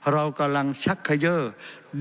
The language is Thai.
เรากำลังชักเขย่อ